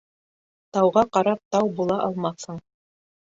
Тауға ҡарап тау була алмаҫһың.